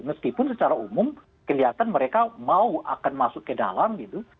meskipun secara umum kelihatan mereka mau akan masuk ke dalam gitu